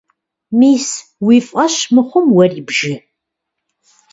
Мис, уи фӀэщ мыхъум, уэри бжы.